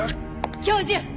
教授